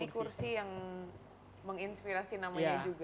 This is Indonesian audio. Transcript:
ini kursi yang menginspirasi namanya juga